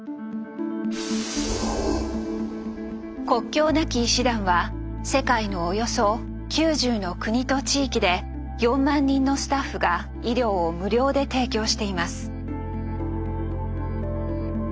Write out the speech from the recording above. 国境なき医師団は世界のおよそ９０の国と地域で４万人のスタッフが医療を無料で提供しています。